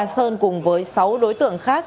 sơn cùng với sáu đối tượng khác